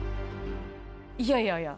いやいやいや。